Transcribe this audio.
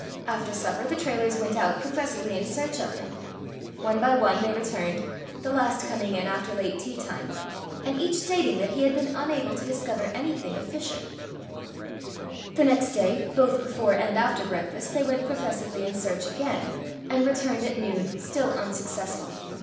After supper, the Trailors went out professedly in search of him. One by one they returned, the last coming in after late teatime, and each stating that he had been unable to discover anything of Fisher.The next day, both before and after breakfast, they went professedly in search again, and returned at noon, still unsuccessful.